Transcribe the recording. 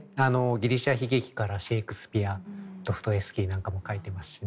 ギリシャ悲劇からシェークスピアドフトエフスキーなんかも書いてますしね。